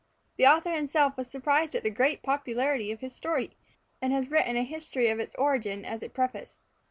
The author himself was surprised at the great popularity of his story, and has written a history of its origin as a preface.